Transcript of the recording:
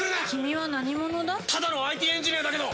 ただのＩＴエンジニアだけど。